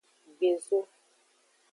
Gbezo.